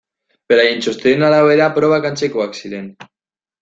Beraien txostenen arabera probak antzekoak ziren.